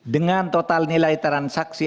dengan total nilai transaksi